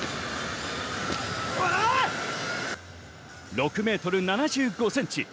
６ｍ７５ｃｍ。